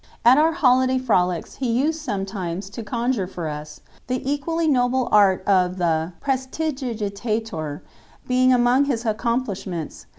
At our holiday frolics he used sometimes to conjure for us, the equally "noble art" of the prestidigitateur being among his accomplishments.